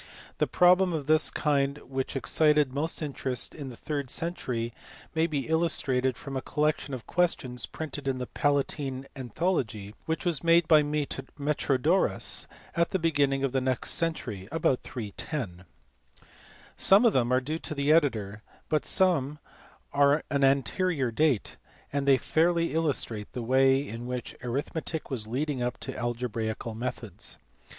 The problems of this kind which excited most interest in the third century may be illus trated from a collection of questions, printed in the Palatine Anthology, which was made by Metrodorus at the beginning of the next century, about 310. Some of them are due to the editor, but some are of an anterior date, and they fairly illustrate the way in which arithmetic was leading up to algebraical methods.